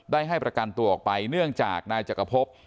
ให้ประกันตัวออกไปเนื่องจากนายจักรพบ